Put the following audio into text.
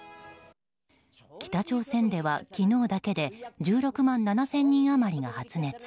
北朝鮮では昨日だけで１６万７０００人余りが発熱。